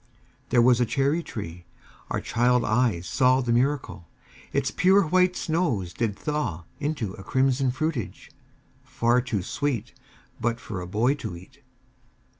There was a cherry tree our child eyes saw The miracle: Its pure white snows did thaw Into a crimson fruitage, far too sweet But for a boy to eat.